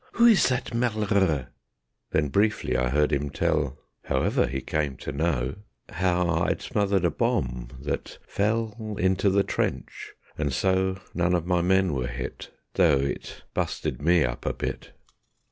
Who is that 'malheureux'?" Then briefly I heard him tell (However he came to know) How I'd smothered a bomb that fell Into the trench, and so None of my men were hit, Though it busted me up a bit.